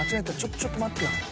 ちょっと待ってよ。